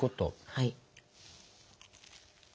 はい。